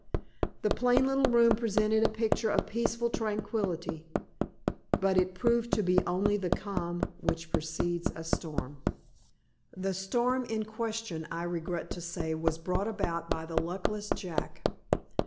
The plain little room presented a picture of peaceful tranquillity, but it proved to be only the calm which precedes a storm. The storm in question, I regret to say, was brought about by the luckless Jack.